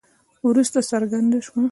وروسته څرګنده شوه.